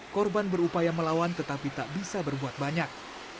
korban berupaya melawan tetapi tak bisa berbuat banyak